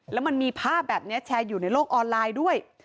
แล้วมันมีภาพแบบนี้แชร์อยู่ในโลกออนไลน์ด้วย